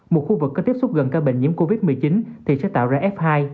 một khu vực có tiếp xúc gần ca bệnh nhiễm covid một mươi chín thì sẽ tạo ra f hai